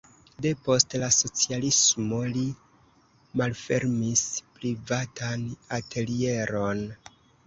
Depost la socialismo li malfermis privatan atelieron.